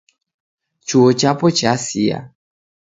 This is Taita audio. Chuo chapo chasi..